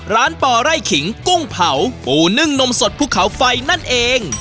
ป่อไร่ขิงกุ้งเผาปูนึ่งนมสดภูเขาไฟนั่นเอง